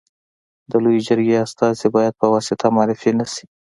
د لويي جرګي استازي باید په واسطه معرفي نه سي.